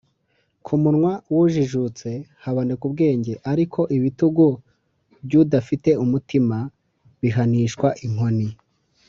ku munwa w’ujijutse haboneka ubwenge, ariko ibitugu by’udafite umutima bihanishwa inkoni